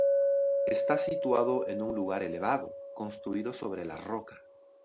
Está situado en un lugar elevado, construido sobre la roca.